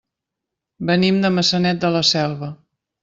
Venim de Maçanet de la Selva.